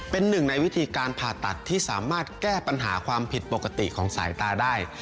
เป็นหนึ่งในวิธีการผ่าตัดที่สามารถแก้ปัญหาความผิดปกติของสายตาได้